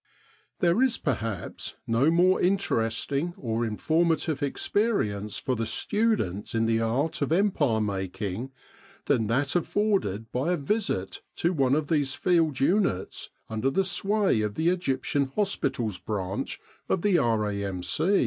With the R.A.M.C. in Egypt There is perhaps no more interesting or informa tive experience for the student in the art of Empire making than that afforded by a visit to one of these field units under the sway of the Egyptian hospitals branch of the R.A.M.